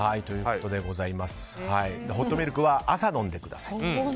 ホットミルクは朝に飲んでください。